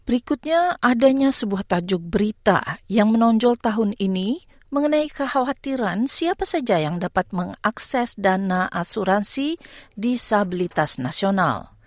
berikutnya adanya sebuah tajuk berita yang menonjol tahun ini mengenai kekhawatiran siapa saja yang dapat mengakses dana asuransi disabilitas nasional